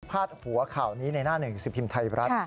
หัวข่าวนี้ในหน้าหนึ่งสิบพิมพ์ไทยรัฐ